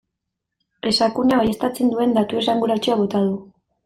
Esakunea baieztatzen duen datu esanguratsua bota du.